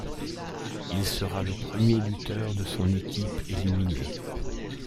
Il sera le premier lutteur de son équipe éliminé.